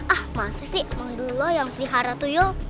ah masih sih mang dula yang si hara tuyul